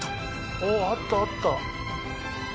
「おおあったあった」